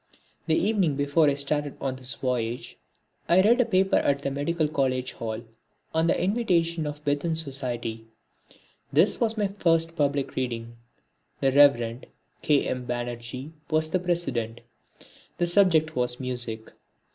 The evening before I started on this voyage I read a paper at the Medical College Hall on the invitation of the Bethune Society. This was my first public reading. The Reverend K. M. Banerji was the president. The subject was Music.